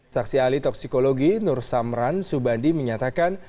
saksi ahli toksikologi nur samran subandi menyatakan